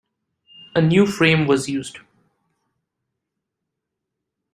A new frame was used.